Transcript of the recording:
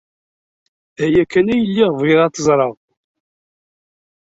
D aya kan ay lliɣ bɣiɣ ad t-ẓreɣ.